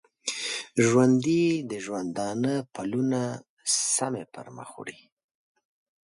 ژوندي د ژوندانه پلونه سمی پرمخ وړي